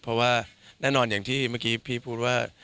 เพราะว่าแน่นอนอย่างที่เมื่อกี้พี่พูดว่า